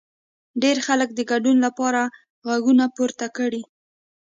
ډېر خلک د ګډون لپاره غږونه پورته کړي.